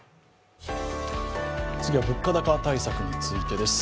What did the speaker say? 次は物価高対策についてです。